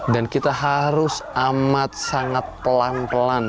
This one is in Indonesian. dan kita harus amat sangat pelan pelan